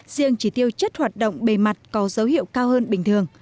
riêng chỉ tiêu chất hoạt động bề mặt có dấu hiệu cao hơn bình thường